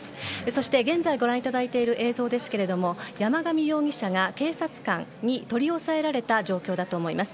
そして、現在ご覧いただいている映像ですけども山上容疑者が警察官に取り押さえられた状況だと思います。